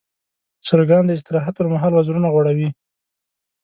چرګان د استراحت پر مهال وزرونه غوړوي.